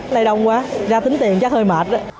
đây đông quá ra tính tiền chắc hơi mệt